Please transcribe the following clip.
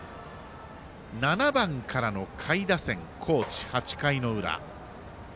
７番からの下位打線高知、８回の裏。